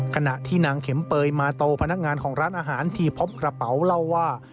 ขณะที่นางเข็มเปยมาโตพนักงานของร้านอาหารที่พบกระเป๋าเล่าว่า